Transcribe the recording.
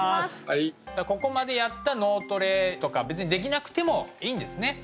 ここまでやった脳トレとか別にできなくてもいいんですね？